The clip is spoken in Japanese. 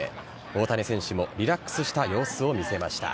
大谷選手もリラックスした様子を見せました。